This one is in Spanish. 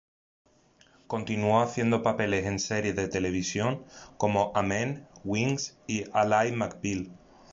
Continuó haciendo papeles en series de televisión como "Amen", "Wings" y "Ally McBeal".